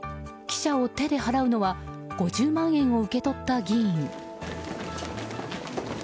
記者を手で払うのは５０万円を受け取った議員。